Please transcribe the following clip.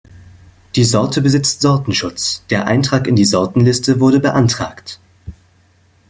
Die Sorte besitzt Sortenschutz, der Eintrag in die Sortenliste wurde beantragt.